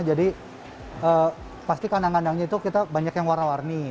jadi pasti kandang kandangnya itu kita banyak yang warna warni